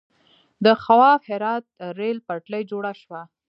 د خواف هرات ریل پټلۍ جوړه شوه.